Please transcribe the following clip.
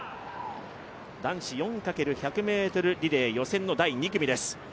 男子４×１００ｍリレー予選の第２組です。